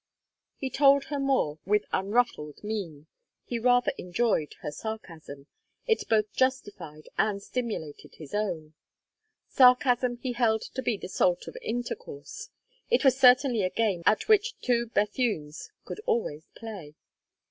He told her more with unruffled mien; he rather enjoyed her sarcasm; it both justified and stimulated his own. Sarcasm he held to be the salt of intercourse. It was certainly a game at which two Bethunes could always play.